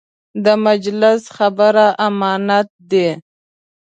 د مجلس خبره امانت دی.